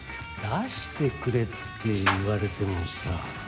出してくれって言われてもさ。